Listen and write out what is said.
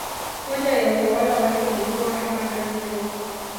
Hoja ya utawala wake ilikuwa hapa kazi tu